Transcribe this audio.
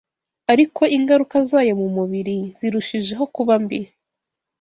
ariko ingaruka zayo mu mubiri zirushijeho kuba mbi.